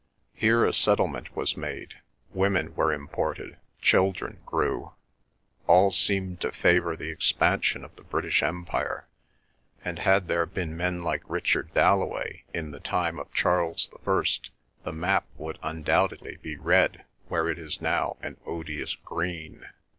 Here a settlement was made; women were imported; children grew. All seemed to favour the expansion of the British Empire, and had there been men like Richard Dalloway in the time of Charles the First, the map would undoubtedly be red where it is now an odious green.